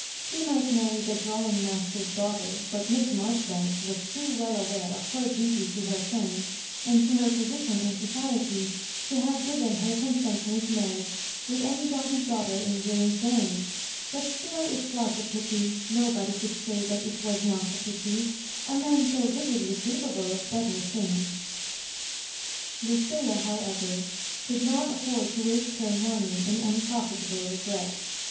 He might marry the Digitized by VjOOQIC 108 MISS MABJOBIBAKKa drawiDg master'B daughter, but Miss Marjoribanks was too well aware of her duty to her fHends, and to her position in society, to have given her consent to his marriage with anybody's daughter in Grange Lane. But still it was a pity — nobody could say that it was not a pity — a man so visibly capable of better things. Lucilla, however, could not afford to waste her morning in unprofitable regrets.